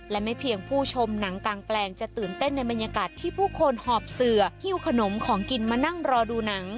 และไม่เพียงผู้ชมหนังกางแปลงจะตื่นเต้นในบรรยากาศที่ผู้คนหอบเสือฮิ้วขนมของกินมานั่งรอดูหนัง